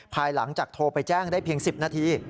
ภายหลังจากโทรไปแจ้งได้เพียง๑๐นาที